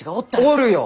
おるよ！